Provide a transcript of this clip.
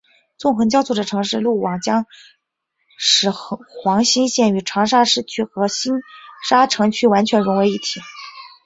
纵横交错的城市路网将使黄兴镇与长沙市区和星沙城区完全融为一体。